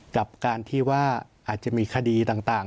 กับการที่ว่าอาจจะมีคดีต่าง